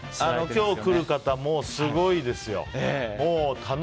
今日、来る方もうすごいですよ。